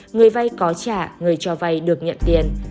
người vay có trả người cho vay được nhận tiền